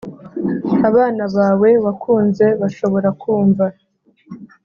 abana bawe wakunze bashobora kumva